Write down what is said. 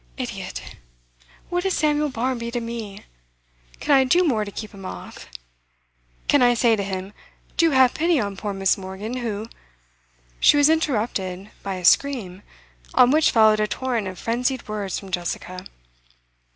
Idiot! What is Samuel Barmby to me? Can I do more to keep him off? Can I say to him, "Do have pity on poor Miss. Morgan, who "' She was interrupted by a scream, on which followed a torrent of frenzied words from Jessica.